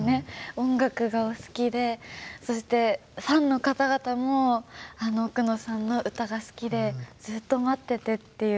音楽がお好きでそしてファンの方々も奥野さんの歌が好きでずっと待っててっていう。